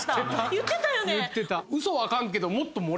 言ってた。